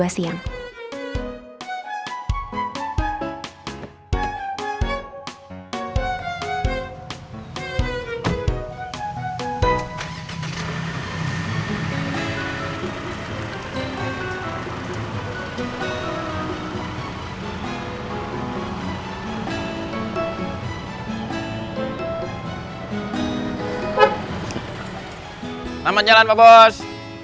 selamat jalan pak bos